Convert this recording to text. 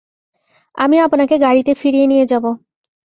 আমি আপনাকে গাড়িতে ফিরিয়ে নিয়ে যাব।